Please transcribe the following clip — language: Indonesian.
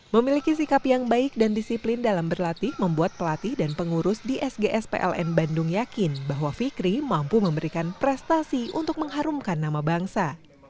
memiliki sikap yang baik dan disiplin dalam berlatih membuat pelatih dan pengurus di sgs pln bandung yakin bahwa fikri mampu memberikan prestasi untuk mengharumkan nama bangsa